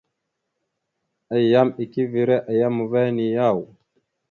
Ayyam eke evere a yam ava henne yaw ?